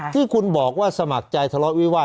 ที่คุณบอกว่าสมัครใจทะเลาะวิวาส